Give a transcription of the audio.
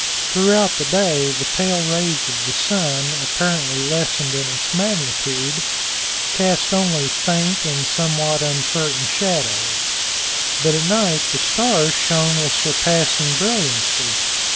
Throughout the day the pale rays of the sun, apparently lessened in its magnitude, cast only faint and somewhat uncertain shadows; but at night the stars shone with surpassing brilliancy.